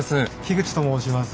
口と申します。